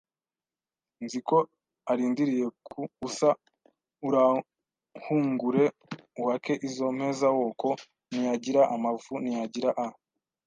Nzi ko arindiye ku usa Urahungure uuhake Izo mpezawoko Ntiagira amavu Ntiagira a